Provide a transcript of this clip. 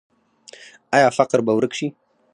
آیا فقر به ورک شي؟